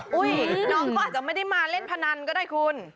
น้องเขาอาจจะไม่ได้มาเล่นพนันก็ได้คุณ